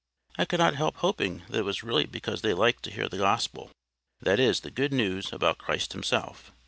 I could not help hoping that it was really because they liked to hear the Gospel, that is, the good news about Christ himself.